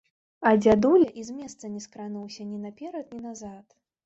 А дзядуля і з месца не скрануўся, ні наперад, ні назад.